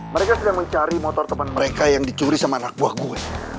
mereka sedang mencari motor teman mereka yang dicuri sama anak buah gue